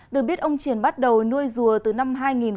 được biết ông triển bắt đầu nuôi rùa từ năm hai nghìn một mươi